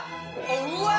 うわ！